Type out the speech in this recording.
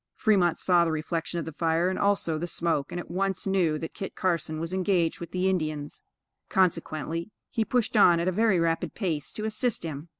Fremont saw the reflection of the fire, and also the smoke, and at once knew that Kit Carson was engaged with the Indians; consequently, he pushed on at a very rapid pace to assist him.